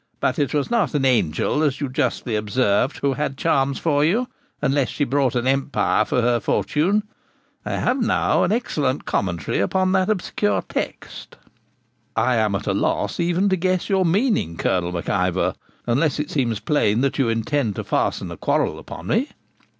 But it was not an angel, as you justly observed, who had charms for you, unless she brought an empire for her fortune. I have now an excellent commentary upon that obscure text.' 'I am at a loss even to guess at your meaning, Colonel Mac Ivor, unless it seems plain that you intend to fasten a quarrel upon me.'